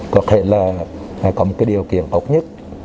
có thể là có một điều kiện ốc nhất